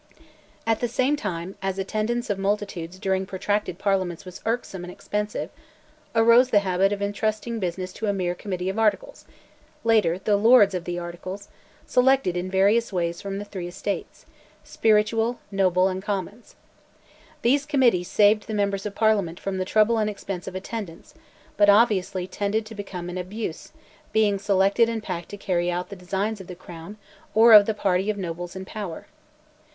At the same time, as attendance of multitudes during protracted Parliaments was irksome and expensive, arose the habit of intrusting business to a mere "Committee of Articles," later "The Lords of the Articles," selected in varying ways from the Three Estates Spiritual, Noble, and Commons. These Committees saved the members of Parliament from the trouble and expense of attendance, but obviously tended to become an abuse, being selected and packed to carry out the designs of the Crown or of the party of nobles in power.